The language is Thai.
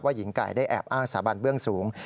หญิงไก่ได้แอบอ้างสาบันเบื้องสูง